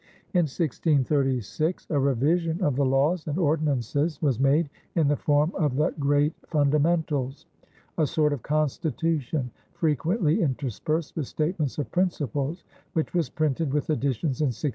In 1636, a revision of the laws and ordinances was made in the form of "The Great Fundamentals," a sort of constitution, frequently interspersed with statements of principles, which was printed with additions in 1671.